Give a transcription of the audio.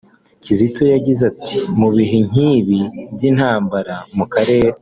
Kizito yagize ati “Mu bihe nk’ibi by’intambara mu karere